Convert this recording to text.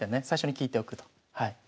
最初に聞いておくと。